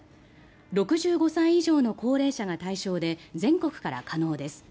６５歳以上の高齢者が対象で全国から可能です。